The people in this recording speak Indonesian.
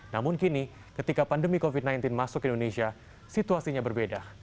namun kini ketika pandemi covid sembilan belas masuk ke indonesia situasinya berbeda